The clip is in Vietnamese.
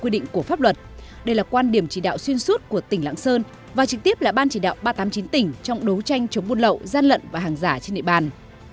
đây là quan điểm chỉ đạo xuyên suốt của tỉnh lạng sơn và trực tiếp là ban chỉ đạo ba trăm tám mươi chín tỉnh trong đấu tranh chống buôn lậu gian lận và hàng giả trên địa bàn